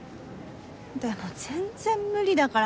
でも全然無理だから。